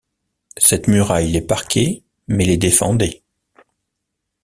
Cette muraille les parquait, mais les défendait.